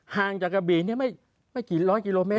ห่างจากกระบี่ไม่กี่ร้อยกิโลเมต